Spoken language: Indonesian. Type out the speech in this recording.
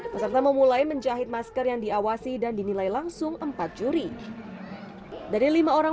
peserta memulai menjahit masker yang diawasi dan dinilai langsung empat juri dari lima orang